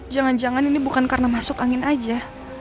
jangan jangan ini bukan karena masuk angin aja